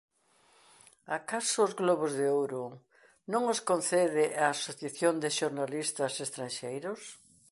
Acaso os "Globos de Ouro" non os concede a Asociación de Xornalistas Estranxeiros?